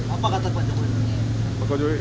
apa gak terbantu